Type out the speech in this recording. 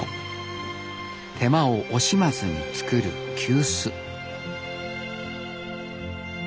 手間を惜しまずに作る急須。